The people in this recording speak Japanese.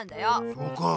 そうかぁ。